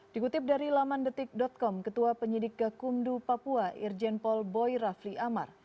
dikutip dari laman detik com ketua penyidik gakumdu papua irjen paul boy rafli amar